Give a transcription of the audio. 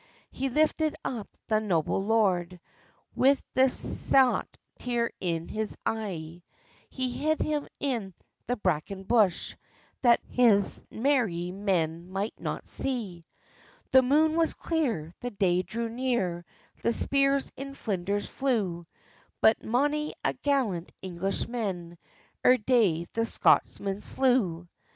He lifted up that noble lord, Wi the saut tear in his e'e; He hid him in the braken bush, That his merrie men might not see. The moon was clear, the day drew near, The spears in flinders flew, But mony a gallant Englishman Ere day the Scotsmen slew.